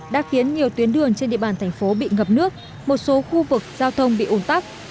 đã khiến nhiều tuyến đường trên địa bàn thành phố bị ngập nước một số khu vực giao thông bị ủn tắc